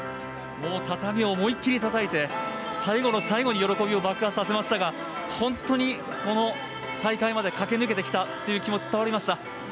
畳を思い切りたたいて最後の最後に喜びを爆発させましたが本当に、この大会まで駆け抜けてきた気持ちが伝わりました。